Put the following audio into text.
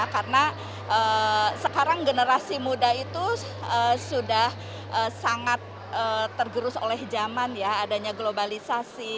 karena sekarang generasi muda itu sudah sangat tergerus oleh zaman adanya globalisasi